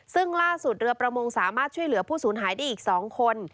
ซึ่งล่าสุดเรือประมงสามารถช่วยเหลือผู้สูญหายได้อีก๒คน